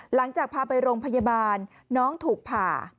หลังจากพาไปโรงพยาบาลน้องถูกผ่า